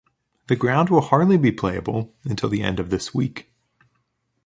The ground will hardly be playable until the end of this week.